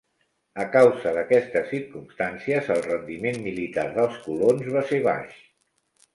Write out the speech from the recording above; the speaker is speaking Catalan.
A causa d'aquestes circumstàncies, el rendiment militar dels colons va ser baix.